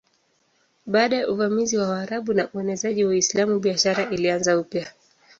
Baada ya uvamizi wa Waarabu na uenezaji wa Uislamu biashara ilianza upya.